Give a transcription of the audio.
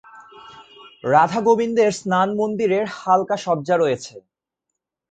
রাধা-গোবিন্দের স্নান-মন্দিরের হালকা সজ্জা রয়েছে।